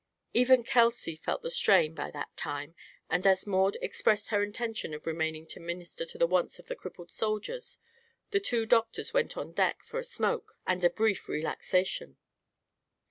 Even Kelsey felt the strain by that time and as Maud expressed her intention of remaining to minister to the wants of the crippled soldiers, the two doctors went on deck for a smoke and a brief relaxation.